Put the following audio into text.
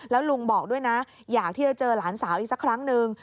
แล้วลุงบอกด้วยนะอยากที่จะเจอหลานสาวอีกสักครั้งนึง